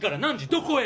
どこへ？